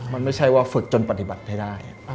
มันไม่ใช่ว่าฝึกจนปฏิบัติไม่ได้